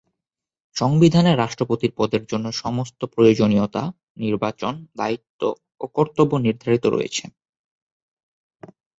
সংবিধানে রাষ্ট্রপতির পদের জন্য সমস্ত প্রয়োজনীয়তা, নির্বাচন, দায়িত্ব ও কর্তব্য নির্ধারিত রয়েছে।